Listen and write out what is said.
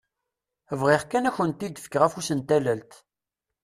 Bɣiɣ kan ad akent-d-fkeɣ afus n tallalt!